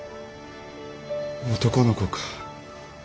男の子か。